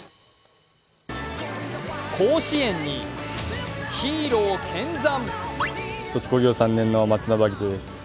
甲子園に、ヒーロー見参。